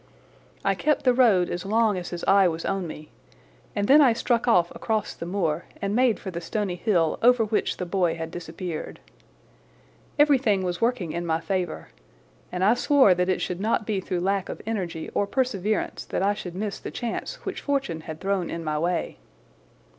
I kept the road as long as his eye was on me, and then I struck off across the moor and made for the stony hill over which the boy had disappeared. Everything was working in my favour, and I swore that it should not be through lack of energy or perseverance that I should miss the chance which fortune had thrown in my way.